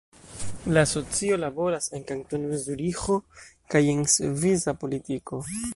La asocio laboras en Kantono Zuriĥo kaj en svisa politiko.